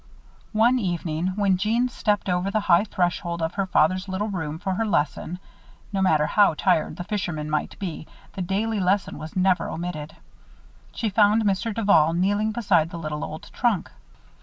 One evening, when Jeanne stepped over the high threshold of her father's little room for her lesson no matter how tired the fisherman might be, the daily lesson was never omitted she found Mr. Duval kneeling beside the little old trunk.